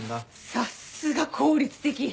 さすが効率的！